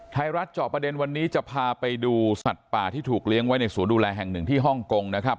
เจาะประเด็นวันนี้จะพาไปดูสัตว์ป่าที่ถูกเลี้ยงไว้ในสวนดูแลแห่งหนึ่งที่ฮ่องกงนะครับ